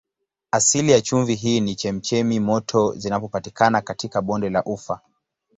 Asili ya chumvi hii ni chemchemi moto zinazopatikana katika bonde la Ufa.